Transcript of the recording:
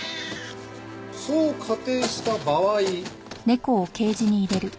そう仮定した場合。